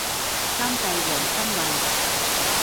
监制王心慰。